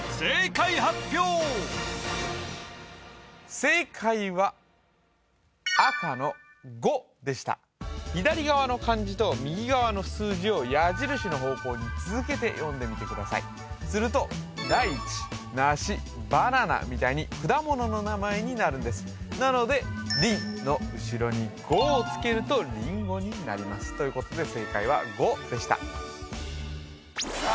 正解は赤の５でした左側の漢字と右側の数字を矢印の方向に続けて読んでみてくださいすると「ライチ」「ナシ」「バナナ」みたいに果物の名前になるんですなので「リン」の後ろに「ゴ」をつけると「リンゴ」になりますということで正解は「ゴ」でしたさあ